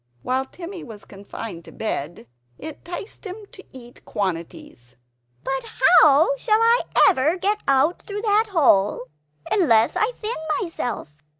While Timmy was confined to bed, it 'ticed him to eat quantities "But how shall I ever get out through that hole unless I thin myself?